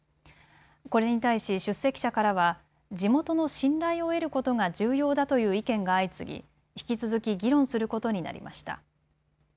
これに対し出席者からは地元の信頼を得ることが重要だという意見が相次ぎ引き続き議論することになりました。